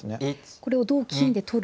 これを同金で取る。